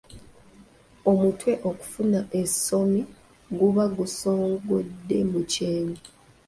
Omutwe okufuna ensoomi guba gusongodde mu kyenyi.